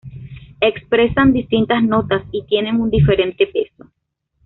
Expresan distintas notas y tienen un diferente peso.